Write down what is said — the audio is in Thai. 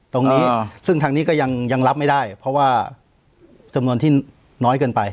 ตรงนี้ซึ่งทางนี้ก็ยังรับไม่ได้เพราะว่าจำนวนที่น้อยเกินไป